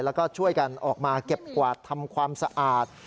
แล้วก็ช่วยกันออกมาเก็บกวาดทำความสะอาด